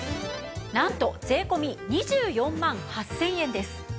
なんと税込２４万８０００円です。